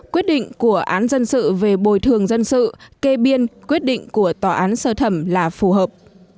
quyết định của án dân sự về bồi thường dân sự kê biên quyết định của tòa án sơ thẩm là phù hợp